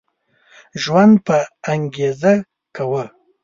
ژوند په انګيزه کوه